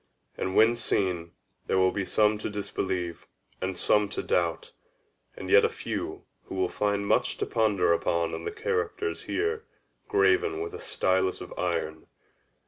And, when seen, there will be some to disbelieve, and some to doubt, and yet a few who will find much to ponder upon in the characters here graven with a stylus of iron.